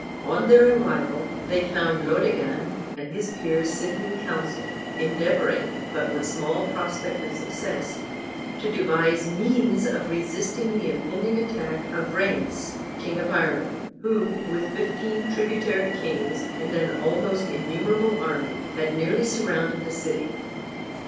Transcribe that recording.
On their arrival they found Laodegan and his peers sitting in council, endeavoring, but with small prospect of success, to devise means of resisting the impending attack of Ryence, king of Ireland, who, with fifteen tributary kings and an almost innumerable army, had nearly surrounded the city.